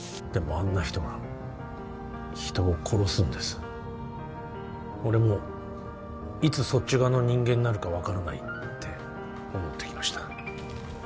あんな人が人を殺すんです俺もいつそっち側の人間になるか分からないって思ってきました